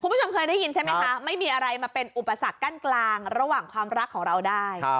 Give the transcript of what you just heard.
คุณผู้ชมเคยได้ยินใช่ไหมคะไม่มีอะไรมาเป็นอุปสรรคกั้นกลางระหว่างความรักของเราได้